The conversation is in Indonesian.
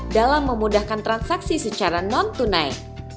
dalam memudahkan transaksi secara non tunai